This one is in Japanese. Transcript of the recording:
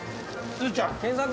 すずちゃん検索！